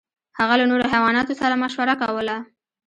هغه له نورو حیواناتو سره مشوره کوله.